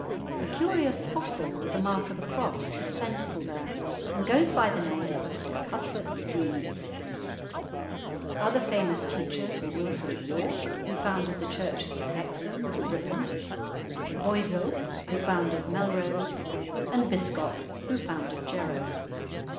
A curious fossil, with the mark of a cross, is plentiful there, and goes by the name of St Cuthbert's beads. Other famous teachers were Wilfrid of York, who founded the churches of Hexham and Ripon; Boisil, who founded Melrose, and Biscop, who founded Jarrow.